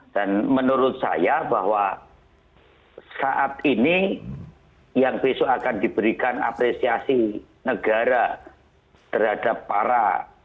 dan menurut saya bahwa saat ini yang besok akan diberikan apresiasi negara terhadap para